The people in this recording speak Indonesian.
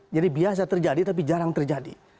jadi biasa terjadi tapi jarang terjadi